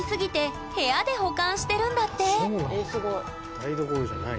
台所じゃないんだ。